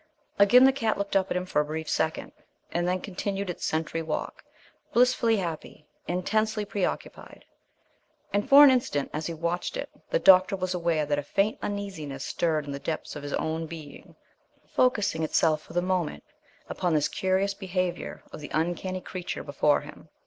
Again the cat looked up at him for a brief second, and then continued its sentry walk, blissfully happy, intensely preoccupied. And, for an instant, as he watched it, the doctor was aware that a faint uneasiness stirred in the depths of his own being, focusing itself for the moment upon this curious behaviour of the uncanny creature before him.